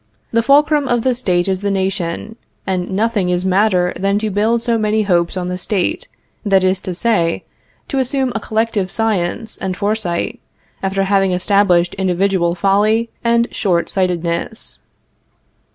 The fulcrum of the State is the nation, and nothing is madder than to build so many hopes on the State; that is to say, to assume a collective science and foresight, after having established individual folly and short sightedness.